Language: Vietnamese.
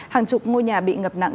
hàng chục ngôi nhà bị ngập nặng